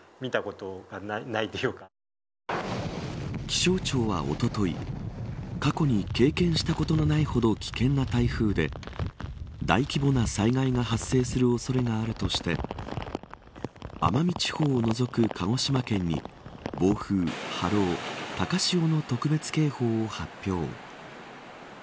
気象庁は、おととい過去に経験したことのないほど危険な台風で大規模な災害が発生する恐れがあるとして奄美地方を除く、鹿児島県に暴風、波浪、高潮の特別警報を発表。